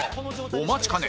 お待ちかね